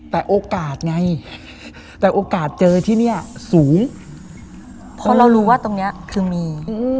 แต่โอกาสไงแต่โอกาสเจอที่นี่สูงเพราะเรารู้ว่าตรงนี้คือมี